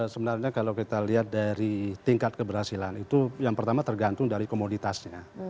sebenarnya kalau kita lihat dari tingkat keberhasilan itu yang pertama tergantung dari komoditasnya